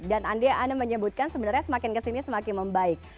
anda menyebutkan sebenarnya semakin kesini semakin membaik